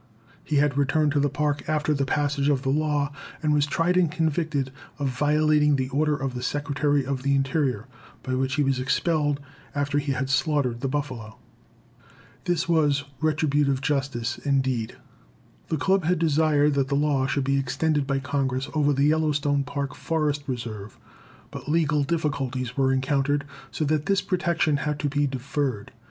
He had returned to the Park after the passage of the law, and was tried and convicted of violating the order of the Secretary of the Interior, by which he was expelled after he had slaughtered the buffalo. This was retributive justice indeed. The Club had desired that the law should be extended by Congress over the Yellowstone Park Forest Reserve, but legal difficulties were encountered, so that this protection had to be deferred.